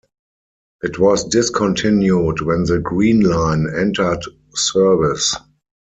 It was discontinued when the Green Line entered service.